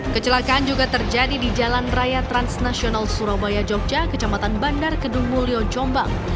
kecelakaan juga terjadi di jalan raya transnasional surabaya jogja kecamatan bandar kedung mulyo jombang